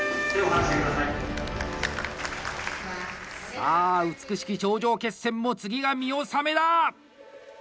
さあ、美しき頂上決戦も次が見納めだ！